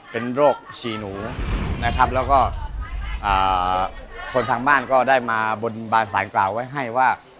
เป็นโรคฉี่หนูนะครับแล้วก็คนทางบ้านก็ได้มาบนบานสารกล่าวไว้ให้ว่า